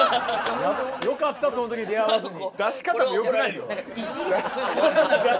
よかったその時に出会わずに。